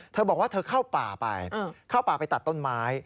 เธอบอกว่าเธอเข้าป่าไปเข้าป่าไปตัดต้นไม้